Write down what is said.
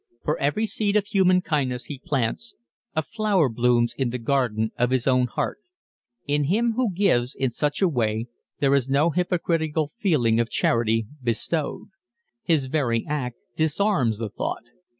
For every seed of human kindness he plants, a flower blooms in the garden of his own heart. In him who gives in such a way there is no hypocritical feeling of charity bestowed. His very act disarms the thought.